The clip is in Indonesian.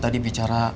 aku mau ke rumah